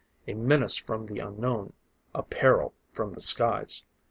A menace from the unknown a peril from the skies!